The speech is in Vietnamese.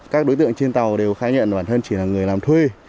các đối tượng trên tàu đều khai nhận bản thân chỉ là người làm thuê